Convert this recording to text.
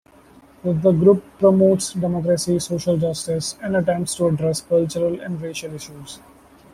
The group promotes democracy, social justice, and attempts to address cultural and racial issues.